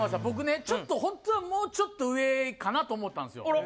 僕ねちょっとほんとはもうちょっと上かなと思ったんですよ。